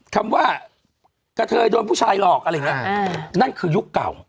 คำว่ากระเทยโดนผู้ชายหลอกอะไรอย่างนี้นั่นคือยุคเก่า